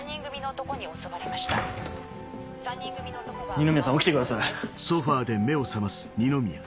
二宮さん起きてください。